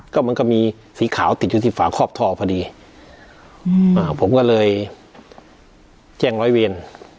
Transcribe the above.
ก็มันก็มีสีขาวติดอยู่ที่ฝาคอบท่อพอดีผมก็เลยแจ้งร้อยเวร